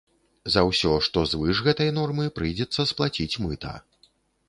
За ўсё, што звыш гэтай нормы, прыйдзецца сплаціць мыта.